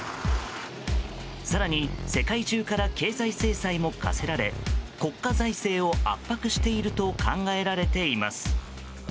更に、世界中から経済制裁も科せられ国家財政を圧迫していると考えられています。